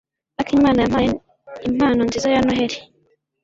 akimana yampaye impano nziza ya Noheri.